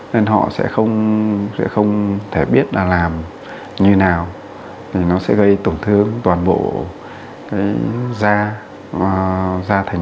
nên họ sẽ không thể biết là làm như nào thì nó sẽ gây tổn thương toàn bộ cái da da thành